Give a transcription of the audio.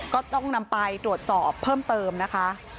ก็ต้องนำไปตรวจสอบเพิ่มเติมนะคะ